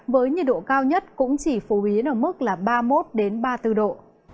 với nhiệt độ cao nhất cũng chỉ phổ biến ở mức là ba mươi một ba mươi bốn độ